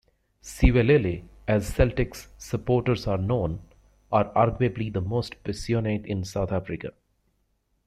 "Siwelele", as Celtic's supporters are known, are arguably the most passionate in South Africa.